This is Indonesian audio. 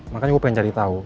makanya gue pengen cari tahu